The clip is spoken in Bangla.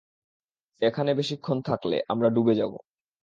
এখানে বেশিক্ষণ থাকলে, আমরা ডুবে যাব।